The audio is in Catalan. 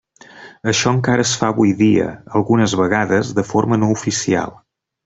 Això encara es fa avui dia, algunes vegades, de forma no oficial.